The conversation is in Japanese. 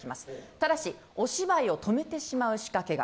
ただし、お芝居を止めてしまう仕掛けが。